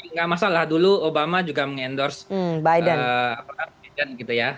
tidak masalah dulu obama juga mengendorse presiden gitu ya